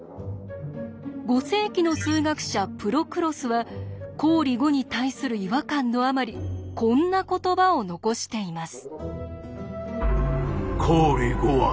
５世紀の数学者プロクロスは公理５に対する違和感のあまりこんな言葉を残しています。